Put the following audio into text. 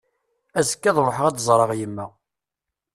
Azekka ad ruḥeɣ ad d-ẓreɣ yemma.